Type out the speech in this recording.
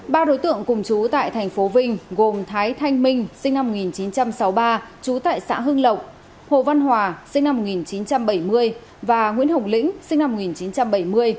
ba đối tượng cùng chú tại thành phố vinh gồm thái thanh minh sinh năm một nghìn chín trăm sáu mươi ba trú tại xã hưng lộc hồ văn hòa sinh năm một nghìn chín trăm bảy mươi và nguyễn hồng lĩnh sinh năm một nghìn chín trăm bảy mươi